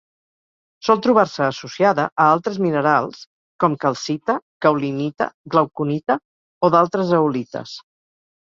Sol trobar-se associada a altres minerals com: calcita, caolinita, glauconita o d'altres zeolites.